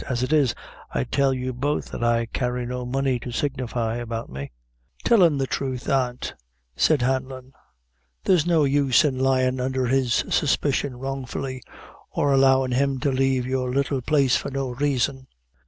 As it is, I tell you both that I carry no money to signify about me." "Tell him the truth, aunt," said Hanlon, "there's no use in lyin' under his suspicion wrongfully, or allowin' him to lave your little place for no raison."